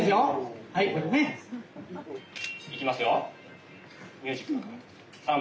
いきますよ。